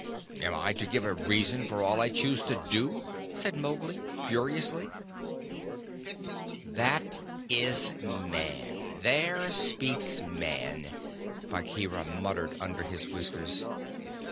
"Am I to give a reason for all I choose to do?" said Mowgli, furiously. "That is Man! There speaks Man!" Bagheera muttered under his whiskers.